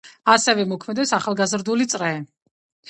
ასევე მოქმედებს ახალგაზრდული წრე.